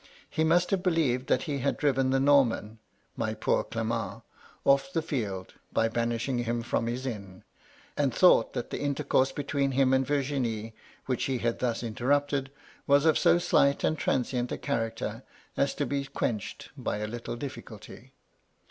He must have believed that he had driven the Norman (my poor Clement 1) oflf the field, by banishing him from his inn ; and thought that the intercourse between him and Virginie, which he had thus interrupted, was of so slight and transient a character as to be quenched by a little difficulty.